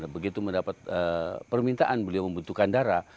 begitu mendapat permintaan beliau membutuhkan darah